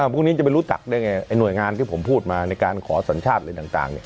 พวกนี้จะไปรู้จักได้ไงหน่วยงานที่ผมพูดมาในการขอสัญชาติอะไรต่าง